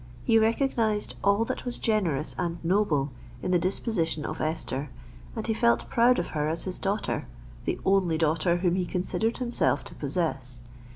He recognised all that was generous and noble in the disposition of Esther; and he felt proud of her as his daughter—the only daughter whom he considered himself to possess.